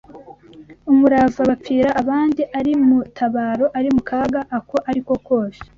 umurava bapfira abandi ari mu itabaro ari mu kaga ako ari ko kose